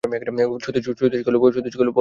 সতীশ কহিল, বলব না!